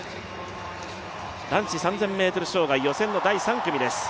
男子３０００ｍ障害予選の第３組です。